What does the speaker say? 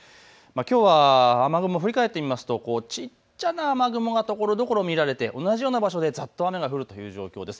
きょうは雨雲、振り返って見ますと小っちゃな雨雲がところどころ見られて同じような場所でざっと雨が降るという状況です。